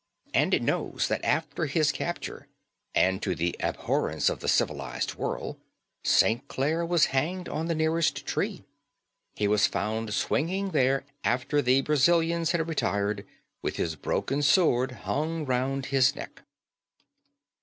And it knows that after his capture, and to the abhorrence of the civilised world, St. Clare was hanged on the nearest tree. He was found swinging there after the Brazilians had retired, with his broken sword hung round his neck."